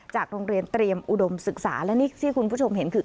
โรงเรียนเตรียมอุดมศึกษาและนี่ที่คุณผู้ชมเห็นคือ